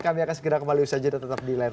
kami akan segera kembali saja dan tetap di layar